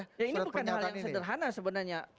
ini bukan hal yang sederhana sebenarnya